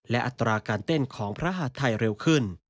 และอัตราการเต้นของพระหาดไทยเร็วขึ้น